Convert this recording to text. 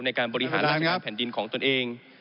ในการบริหารราชการแผ่นดินของตนเอง